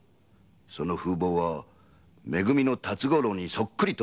その風貌はめ組の辰五郎にそっくりとのことでござる。